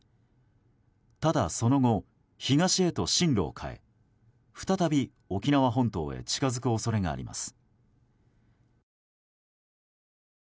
ただその後、東へと進路を変え再び沖縄本島へ近づく恐れがあります。